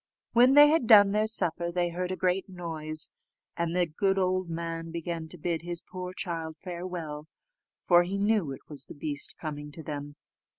When they had done their supper, they heard a great noise, and the good old man began to bid his poor child farewell, for he knew it was the beast coming to them.